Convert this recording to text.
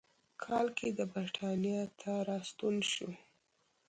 کال کې د برېټانیا ته راستون شو.